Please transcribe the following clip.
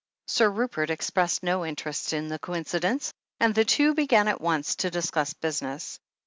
Sir Rupert expressed no interest in the coincidence, and the two men began at once to discuss business.